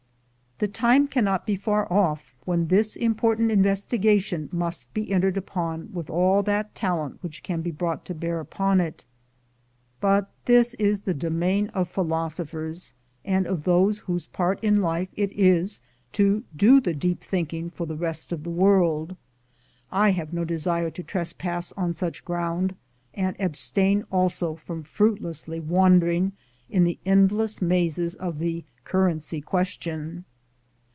The time cannot be far off when this important investigation must be entered upon with all that talent which can be brought to bear upon it. But this is the domain of philosophers, and of those whose part in life it is to do the deep thinking for the rest of the world. I have no desire to trespass on such ground, and abstain also from fruitlessly wandering in the endless mazes of the Currency question.